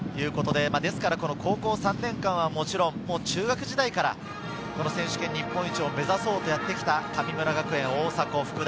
高校３年間はもちろん、中学時代から選手権日本一を目指そうとやってきた神村学園・大迫と福田。